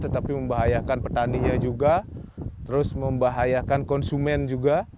tetapi membahayakan petaninya juga terus membahayakan konsumen juga